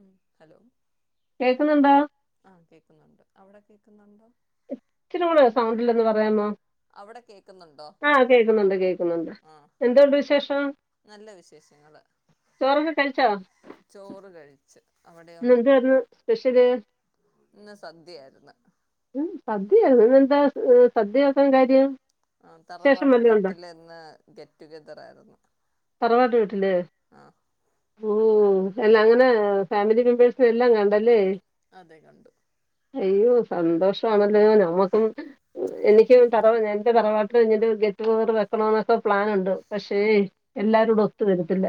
ഉം ഹലോ കേക്കുന്നുണ്ടോ ആഹ് കേക്കുന്നുണ്ട് അവിടെ കേക്കു ക്കുന്നുണ്ടോ ഇച്ചിരൂടെ സൗണ്ടിലൊന്ന് പറയാമോ അവിടെ കേക്കുന്നുണ്ടോ ആഹ് കേക്കുന്നുണ്ട് കേക്കുന്നുണ്ട് ആ എന്തോണ്ട് വിശേഷം നല്ല വിശേഷങ്ങള് ചോറൊക്കെ കഴിച്ചോ ച്ചു. ഇന്ന് എന്തായിരുന്നു സ്പെഷ്യല് ഇന്ന് സദ്യയായിരുന്നു സദ്യയോ ഇന്ന് എന്താ സദ്യയാക്കാൻ കാര്യം ആ വിശേഷം തറവാട്ട് വല്ലതും ഉണ്ടോ വീട്ടിൽ ഇന്ന് ഗെറ്റുഗെദർ ആയിരുന്നു തറവാട്ടുവീട് ഇത് ആ ഓ.. എല്ലാ അങ്ങനെ ഫാമിലി മെമ്പേഴ്സിനെയെല്ലാം കണ്ടല്ലേ അതെ കണ്ടു അയ്യോ സന്തോഷവാണല്ലോ ഞമ്മുക്കും എനിക്കും തറ എന്റെ തറവാട്ടിലും ഇങ്ങനൊരു ഗെറ്റുഗതർ വെക്കണോന്ന് ഇപ്പൊ പ്ലാനുണ്ട് പക്ഷേ ഉം, എല്ലാരൂടെ ഒത്തു വരും ഇല്ല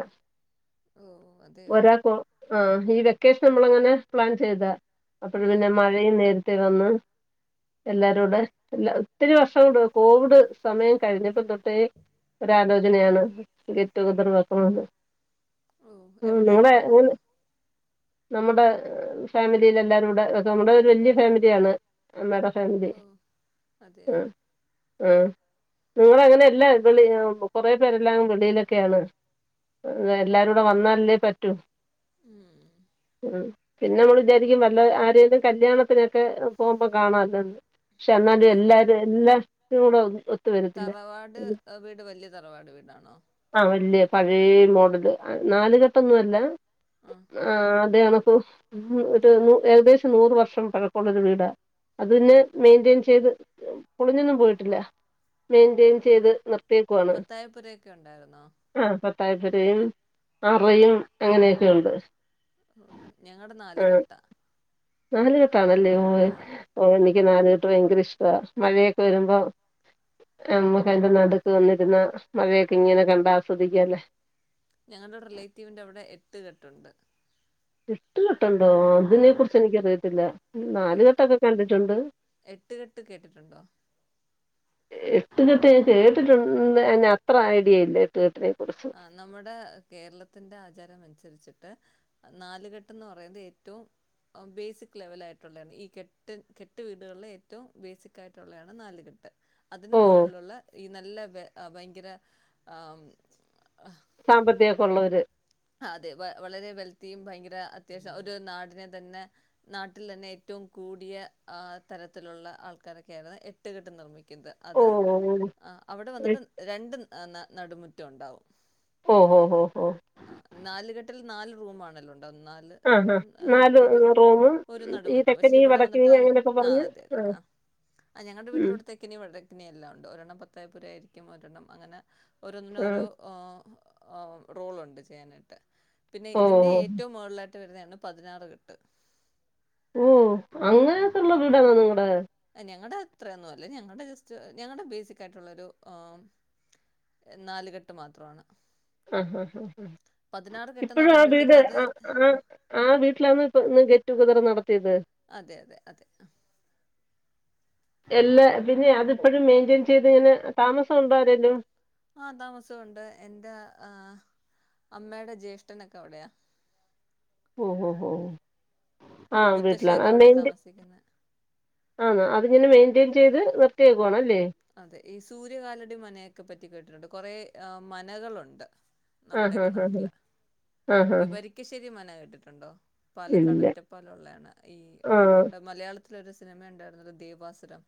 ഓ അതെയോ ഒരാക്ക് ഏഹ് ഈ വെക്കേഷന് നമ്മളങ്ങനെ പ്ലാൻ ചെയ്താ അപ്പഴ് ഉം, പിന്നെ മഴയുംനേര- ത്തേവന്ന് ഉം, എല്ലാരൂടെ എല്ലാ ഒത്തിരി വർഷൊണ്ട് കോവിഡ് സമയം കഴിഞ്ഞപ്പതൊട്ടേ ഒരാലോചനയാണ് ഗെറ്റുഗതറ് വക്കണോന്ന് ഓ ഉം എവിടെയാ നിങ്ങടെ ആ ആ, എങ്ങനെ നമ്മടെ ഫാമിലിലെല്ലാരൂടെ വെക്കാവേണ്ടി ഒരു വല്യ ഫാമിലിയാണ് അമ്മേടെ ഫാമിലി ഓ അതെയോ ആ ആ നിങ്ങളങ്ങനെ എല്ലാ വിളി അ കൊറെ പേരെല്ലാം എടു വെളിയിലൊക്കെയാണ് എല്ലാരൂടെ വന്നാലല്ലേ പറ്റൂ ഉം. ഉം പിന്നെ മ്മൾ വിചാരിക്കും വല്ല ആരേലും കല്യാണത്തിനൊക്കെ പോവുമ്പൊ കാണല്ലോന്ന് ക്ഷ ഈ അന്നാലുഎല്ലാരും എല്ലാ ചൂടൊത്ത്- തറവാട് വീട് വല്യതറവാട് വീടാണോ ആഹ് വല്യ പഴേ മോഡല് നാല്കെട്ടൊന്നുവല്ല ആ ആഹ് തേകണക്കു ഒരു നൂ ഏകദേശം നൂറ് വർഷം പഴക്കൊള്ളൊരു വീടാ അതിനെ മെയിന്റെയിൻ ചെയ്ത് പൊളിഞ്ഞൊന്നും പോയിട്ടില്ല മെയിന്റെയിൻ ചെയ്ത് നിർത്തിയേക്കുവാണ് ക്കെ ഒണ്ടാരുന്നോ പത്താപ്പുരയും അറയും അങ്ങനെയൊക്കെഒണ്ട് ഓ ഞങ്ങടെ നാല്കെട്ട നാല്കെ- ട്ടാണല്ലേ ഓ നിക്ക്- ക്ക് നാല്കെട്ട് ഭയങ്കരിഷ്ടവ മഴയൊക്കെ വരുമ്പൊ അമ്മക്കതിന്റെ നടുക്ക് വന്നിരുന്ന മഴയൊക്കെ ഇങ്ങനെ കണ്ടാസ്വദിക്കാല്ലെ ഞങ്ങളുടെ റിലേറ്റീവിന്റെ അവിടെ എട്ട് കെട്ടുണ്ട് എട്ട്കെട്ട്- ട്ടൊണ്ടോ ആഹ് അതിനെ കുറിച്ച് എനിക്കറിയ- ത്തില്ല ആഹ് നാല്കെട്ടൊക്കെ കണ്ടിട്ടുണ്ട് എട്ട് കെട്ട് കേട്ടിട്ടുണ്ടോ എട്ട്കെട്ട് ഞാൻ കേട്ടിട്ടൊണ് അയി അത്ര ഐഡിയില്ല എട്ട്കെട്ടിനെ- ആ നമ്മുടെ കേരളത്തിന്റെ ആചാരം അനുസരിച്ച്- ട്ട് നാലുകെട്ടെന്ന്പറയുന്ന ഏറ്റവും ബേസിക് ലെവലായിട്ടുള്ളാണ് ഈ കെട്ട് കെട്ട് വീടുകളിലെ ഏറ്റവും ബേസികായിട്ടുള്ളാണ് നാലുകെട്ട് അതിനും ഓ മേളിളൊള്ള ഈ നല്ല ഭയങ്കര ആവും സാമ്പത്തികോക്കെ ഒള്ളവര് അതെ വളരെ വെൽത്തിയും ഭയങ്കര അത്യാവശ്യം ഒരു നാടിനെ തന്നെ നാട്ടിൽ തന്നെ ഏറ്റവും കൂടിയ ആ തരത്തിലുള്ള ആൾക്കാരൊക്കെ ആയിരുന്നു എട്ട്കെട്ട് നിർമ്മിക്കുന്നത് ഇത് ഓ അത് അവിടെ ഓ വന്നിട്ട് രണ്ട് ആ ന നടുമുറ്റം ഒണ്ടാവും ഓ ഹോ ഹോ ഹോ ആ നാലുകെട്ടിൽ നാല് റൂമാണല്ലോ [unintelligible] ന്നാല് ആ ഹാ റൂമും നാല് ഒരു റൂമും ഒരു ഈ നടുമുറ്റം പക്ഷെ തെക്കനെയും ഇവിടെ വന്നിട്ട് വടക്കിനെയും അങ്ങനെയൊക്കെ ആ പറഞ്ഞ് അതെ അതെ ആ ആ ഞങ്ങളുടെ വീട്ടില് ഉം ഇവിടെ തേക്കിനി [unintelligible] [unintelligible] യെല്ലാം ഉണ്ട് ഒരെണ്ണം പത്തായപ്പുര ആയിരിക്കും ഒരെണ്ണം അങ്ങന ഓരോന്നിനും ഓരോ ആ ആ റോളുണ്ട് [unintelligible] [unintelligible] നിട്ട് പിന്നെ ഓ ഇതിന്റെ ഏറ്റവും മുകളി ലാ [unintelligible] വരുന്നതാണ് പതിനാറ് കെട്ട് ഓ അങ്ങനത്തൊള്ള വീടണോ നിങ്ങട ഞങ്ങടെ അത്രയൊന്നും അല്ല ഞങ്ങളുടെ ജസ്റ്റ് ഞങ്ങളുടെ ബേസിക് ആയിട്ടുള്ളൊരു ആ നാലുകെട്ട് മാത്രമാണ് ആങ്ഹ് ആങ്ഹ് ആ പതിനാറ് കെട്ടെന്ന് ഇപ്പഴും ആ വീട് പറയുമ്പോഴത്തേക്ക് അത് ആ ആ ആ വീട്ടിലാണ് [unintelligible] റ്റുഗദർ നട അതെ അതെ അതെ ആ എല്ല പിന്നെ അതിപ്പഴും മെയിന്റെയിൻ ചെയ്ത് [unintelligible] താമസം ഒ ണ്ടോ ആരേലും. ആ താമസം ഒണ്ട് എന്റെ ആ അമ്മേടെ ജ്യേഷ്ഠനൊക്കെ അവിടെയാ ഹോ ഹോ ഹോ മുത്തശ്ശിയൊക്കെ അവിടെ താമസിക്കുന്നെ. ആണോ അതിങ്ങനെ മെയിന്റെ യിൻ ചെയ്ത് നിറുത്തിയേക്കുവാണ് അല്ലേ അതെ ഈ സൂര്യകാലടി മനയൊക്കെ പറ്റി റ്റി കേട്ടിട്ടുണ്ട് കുറെ മനകളുണ്ട്. ആ ഹാ നമ്മുടെയൊക്കെ ഹാ ഹാ നാട്ടില് ആ ഹാ ഈ വരിക്കശ്ശേരി മന [unintelligible] ണ്ടിട്ടുണ്ടോ പാലക്കാട് ഇല്ല ഒറ്റപ്പാലം ഒള്ളയാണ് ഈ ആ നമ്മുടെ മലയാളത്തി ത്തിലൊരു സിനിമ എ ണ്ടാരുന്നല്ലോ ദേവാസുരം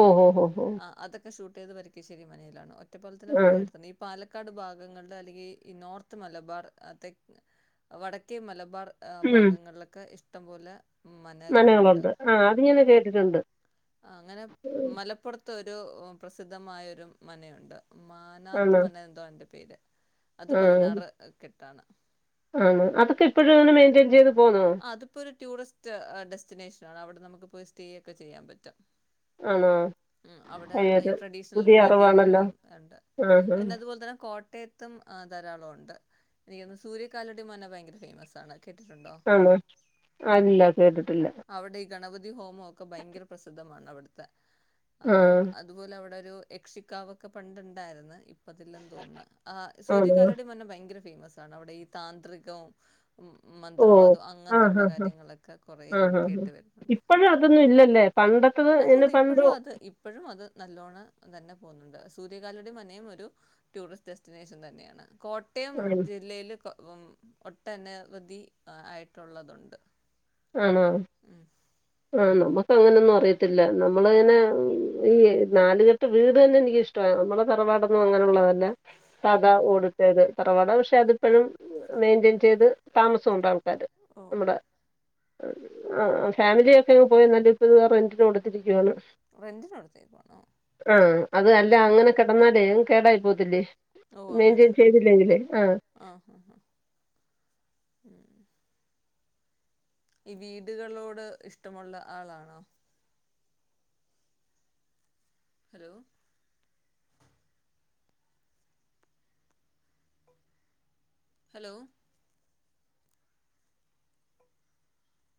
ഓ ഹോ ഹോ ഹോ ആഹ് അത് ത് ഷൂട്ട്‌ ചെയ്തത് വരിക്കശ്ശേരി മനയിലാണ് [unintelligible] ഒറ്റപ്പാലത്തിനു ആ വളരെ അടുത്താണ് ഈ പാല [unintelligible] ക്കാട് ഭാഗങ്ങളിൽ അല്ലെങ്കിൽ ഈ ഈ നോർത്ത് മലബാർ തെ വടക്കേ മലബാർ ഭാഗങ്ങളിലൊക്കെ ഇഷ് ഇഷ്ട്ടം പോലെ നനകളുണ്ട് ആ് അത്ങ്ങനെ കേട്ടിട്ടുണ്ട് അങ്ങനെ മലപ്പുറത്ത് ഒരു പ്രസിദ്ധമായൊരു മനയുണ്ട് ആണോ മാനാത്ത് മന എന്തോണ്ട്. പെയ്ത അത് പതിനാറ് കെട്ടാണ് ആ അതൊക്കെഇപ്പോഴും മെയിന്റയിൻ ചെയ്ത് പോന്നോ ആ അതിപ്പോ ഒരു ടൂറിസ്റ്റ് ഡെസ്റ്റിനേഷൻ അവിടെ നമുക്ക് പോയി സ്റ്റേയ ഒക്കെ ചെയ്യാൻ പറ്റാം ആണോ ഉ അവിടെ അയ്യോ ഈ ഇത് ട്രഡീഷണൽ പുതിയ അറിവാണല്ലോ രീതിയിലെല്ലാം ഉണ്ട് ആ ഹാ പിന്നെ അതുപോലെ തന്നെ കോ കോട്ടയത്തും ധാരാളം ഉണ്ട് എനിക്ക് സൂര്യകാലടി മന ഭയങ്കര ഫേമസ് ആണ് കേട്ടിട്ടുണ്ടോ ആണോ അല്ല കേട്ടിട്ടില്ല ഗണപതിഹോമം ഒക്കെ ഭയങ്കര പ്രസിദ്ധമാണ് അവിടുത്തെ ആ ആഹ് അതുപോലെ അവിടെ യക്ഷിക്കാവൊക്കെ പണ്ടുണ്ടായിരുന്നു ഇപ്പതില്ലാന്ന് തോന്നുന്നു ആ ആണോ സൂര്യകാലടി മന ഭയങ്കര ഫേമസ് ആണ് അവിടെ ഈ താന്ത്രികവും ഓ മന്ത്രവാദം അങ്ങനത്തുള്ള കാര്യങ്ങളൊക്കെ കുറ ആ ഇപ്പഴും അതൊന്നും ഇല്ലല്ലേ പണ്ട അല്ലല്ല ഇപ്പോഴും അത് ഇപ്പോഴും അത് നല്ലോണം തന്നെ പോകുന്നുണ്ട് സൂര്യകാലടി മനയും ഒരു ടൂറിസ്റ്റ് ഡെസ്റ്റിനേഷൻ തന്നെയാണ് കോട്ടയം ആണ് ജില്ലയില് ഒട്ടനവധി ആയിട്ടുള്ളതുണ്ട് ആണോ ഉം. ആനോ അങ്ങനൊന്നും അറിയത്തില്ല നമ്മള ഇങ്ങനെ ഈ നാല് കെട്ട് വീട് തന്നെ എനിക്ക് ഇഷ്ട നമ്മളെ തറവാടൊന്നും അങ്ങനുള്ളതല്ല പിന്ന സാധാ ഉം. ഓടിട്ട തറവാട പക്ഷെ അതിപ്പോഴും മെയിന്റെയിൻ ചെയ്ത് താമസം ഉണ്ടാവും ഓഹ്. നമ്മുടെ ആ ഫാമിലിയൊക്കങ്ങ് പോയി എന്നാല് ഇപ്പ ഇ റെന്റിന് കൊടുത്തിരിക്കുവാണ് റെന്റിനടുത്തേക്കാണോ? ആ അത് അല്ല അങ്ങനെ കിടന്നാലേ കേടായി പോത്തില്ലേ ഓ അങ്ങനെ ആഹ ഹ ഉ ഈ വീടുകളോട് ഇഷ്ടമുള്ള ആളാണോ hello hello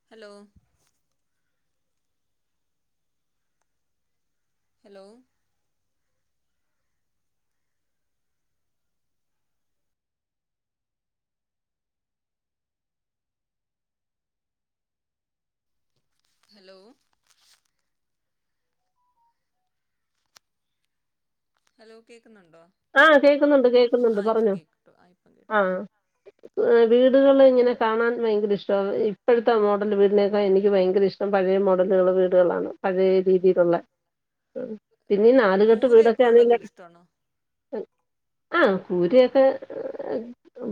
hello hello hello hello കേ ആ കേൾക്കുന്നുണ്ട് കേക്കുന്നുണ്ട് ആഹ് ഇപ്പം പറഞ്ഞോ കേട്ടു. ആഹ് ഇപ്പം കേട്ടു. ആ ആഹ്. വീടുകള് ഇങ്ങനെ കാണാൻ ഭയങ്കര ഇഷ്ടമാണ് ഇപ്പോഴത്തെ മോഡല് വീടിനേക്കാളി എനിക്ക് ഭയങ്കര ഇഷ്ടം പഴയ മോഡലുകൾ വീടുകളാണ് പഴയ ഓഹ്. രീതിയിലുള്ള പിന്നീ നാലുകെട്ട് വീടൊക്കെ കൂരയൊക്കെ ഉള്ള വീട് ആണെക്കില് ഇഷ്ടാണോ? ആ കൂരയൊക്കെ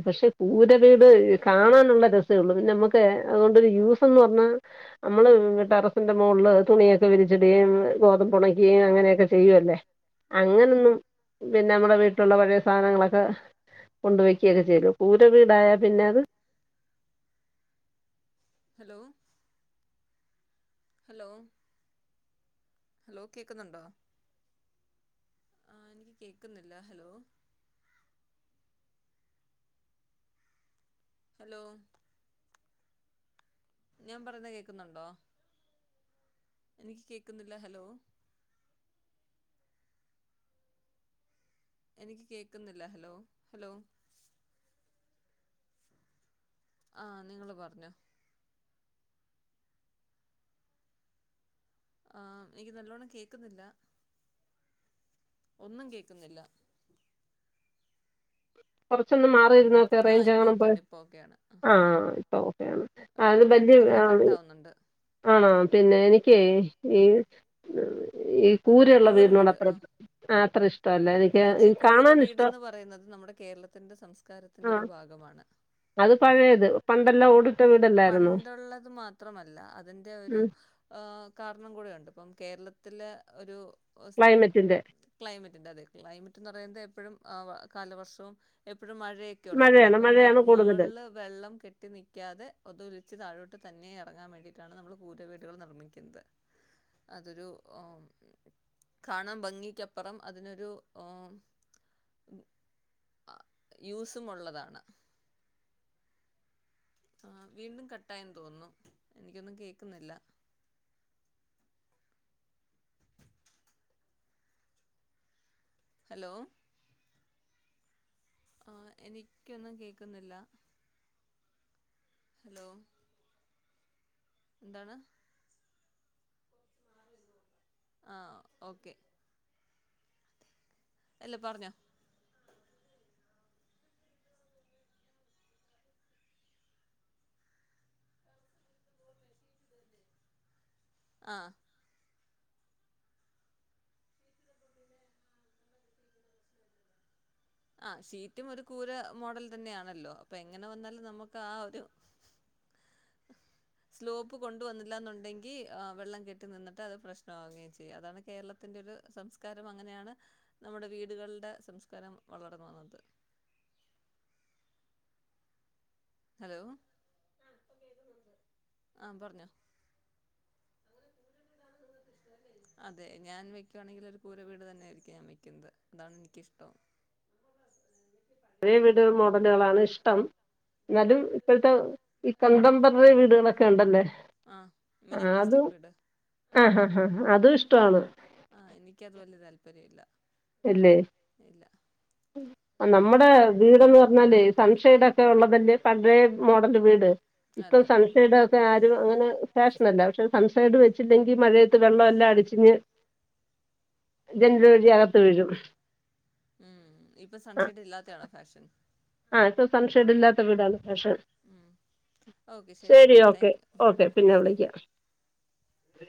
പക്ഷെ കൂര വീട് കാണാനുള്ള രസവേള്ളു പിന്നെ നമ്മുക്ക് അതുകൊണ്ടൊരു യൂസ്ന്ന് പറഞ്ഞാൽ നമ്മള് ടെറസിന്റെ മോളില് തുണിയൊക്കെ വിരിച്ചിടുകയും ഗോതമ്പ് ണയ്ക്കുകയും അങ്ങനെയൊക്കെ ചെയ്യുവല്ലേ ആ അങ്ങനൊന്നും പിന്നെ നമ്മുടെ വീട്ടിലുള്ള പഴയ സാധനങ്ങളൊക്കെ കൊണ്ട് വെക്കുകൊക്കെ ചെയ്ല്ലു കൂര വീടായ പിന്നെ അത് ഹലോ ഹലോ ഹലോ കേക്കുന്നുണ്ടോ ആ എനിക്ക് കേക്കുന്നില്ല ഹലോ ഹലോ ഞാൻ പറയുന്ന കേക്കുന്നുണ്ടോ എനിക്ക് കേക്കുന്നില്ല ഹലോ എനിക്ക് കേക്കുന്നില്ല ഹലോ ഹലോ ആ നിങ്ങള് പറഞ്ഞോ ആ എനിക്ക് നല്ലോണ്ണം കേക്കുന്നില്ല ഒന്നും കേക്കുന്നില്ല കൊറച്ചൊന്ന് മാറിയി ക്കെ ആ റേഞ്ച് ഇപ്പോൾ എങ്ങാണം പോയോ ഓക്കെയാണ് ഇപ്പോൾ ഓക്കെയാണ് ആ ഓ ഓക്കെ അത് വലിയ ഇടയ്ക്കിടയ്ക്ക് ആ കട്ടാവുന്നുണ്ട് ആണോ പിന്നെ ആ എനിക്കേ ഈ ഉം. [inaudible] കൂരയുള്ള കൂര വീടിനോട് വീട് അത്ര ആ ആ- ഇഷ് [unintelligible] ഇഷ്ടല്ല എനിക്ക് കാണൻ ഇഷ്ടവാ അത് നമ്മുടെ കേരളത്തിന്റെ സംസ്കാരത്തിന്റെ ഒരു ഭാഗമാണ് അത് പഴയത് പണ്ടെല്ലാം ഓട് പണ്ടുള്ളത് മാത്രമല്ല അതിന്റെ ഒരു ഉം ഏഹ് കാരണം കൂടെയുണ്ട് ഇപ്പം കേരളത്തിലെ ഒരു ക്ലൈമറ്റിൻ്റെ [unintelligible] ക്ലൈമറ്റ്ന്റെ അതെ ക്ലൈമറ്റ്ന്ന് പറയുന്നത് എപ് എപ്പോഴും ആവ കാലവർഷവും എപ് ഇപ്പോഴും മഴയൊക്കെ ഉള്ളതല്ലേ മഴയാണ് ഇപ്പം മെ മഴയാണ് കൂടുതൽ മേൾല് വെള്ളം കെട്ടി നിക്കാതെ അതൊലിച്ച് താഴോട്ട് തന്നെ ഇറങ്ങാൻ വേണ്ടിയിട്ടാണ് നമ്മള് കൂരവീടുകള് നിർമ്മിക്കുന്നത് അതൊരു ഏഹ് കാണാൻ ഭംഗിക്കപ്പുറം അതിനൊരു ഏഹ് യൂസും ഉള്ളതാണ്. ആഹ് വീണ്ടും കട്ടായെന്ന് തോന്നുന്നു എനിക്കൊന്നും കേക്കുന്നില്ല ഹലോ ആഹ് എനിക്കൊന്നും കേക്കുന്നില്ല ഹലോ എന്താണ് ആഹ് ഓക്കെ അല്ല പറഞ്ഞോ ആഹ് ആഹ് ഷീറ്റും ഒരു കൂര മോഡൽ തന്നെയാണല്ലോ അപ്പൊ എങ്ങനെ വന്നാലും നമുക്ക് ആ ഒരു സ്ലോപ്പ് കൊണ്ടുവന്നില്ല എന്നുണ്ടെങ്കി ഏഹ് വെള്ളം കെട്ടി നിന്നിട്ട് അത് പ്രശ്നമാവുകയും ചെയ്യും അതാണ് കേരളത്തിന്റെ ഒരു സംസ്കാരം അങ്ങനെയാണ് നമ്മുടെ വീടുകൾടെ സംസ്കാരം വളർന്ന് വന്നത് ഹലോ ആഹ് പറഞ്ഞോ അതെ ഞാൻ വെക്കുവാണെങ്കിലൊരു കൂര വീട് തന്നെയായിരിക്കും ഞാൻ വെക്കുന്നത് അതാണ് എനിക്കിഷ്ടോം. പഴേ വീട് മോഡലുകളാണ് ഇഷ്ടം ഉം. [unintelligible] ഇപ്പൊഴ്ത്തെ ഇപ് കണ്ടമ്പററി വീടുകളൊക്കെ ഉണ്ടല്ലേ ആഹ് ആ അതും മിനിമലിസ്റ്റിക് വീട്. ഹാ ആ അതും ഇഷ്ടവാണ് ആ എനിക്ക് അത് വല്ല്യ താല്പര്യം ഇല്ല എല്ലേ ഇല്ല നമ്മുടെ വീടെന്ന് പറഞ്ഞാലേ സൺസൈഡ് ഒക്കെ ഒള്ളതല്ലേ പഴയ മോഡല് വീട് ഇപ്പം അതെ സൺസൈഡ് ഒക്കെ ആരും അങ്ങനെ ഫാഷനല്ല പക്ഷെ സൺസൈഡ് വെച്ചില്ലെങ്കി മഴയത്ത് വെള്ളം എല്ലാം അടിച്ച്ഞ്ഞ് [unintelligible] ഉം ഇപ്പൊ ആ സൺസൈഡ് ഇല്ലാത്തെ ആണോ ഫാഷൻ ആ ഇപ്പ സൺ ഷെയ്ഡ് ഇല്ലാത്ത വീടാണ് ഫാഷൻ ഉം ഓക്കെ ശരി എന്നാൽ ഓക്കെ താങ്ക് യു ഓക്കെ പിന്നെ വിളിക്കാം ഉ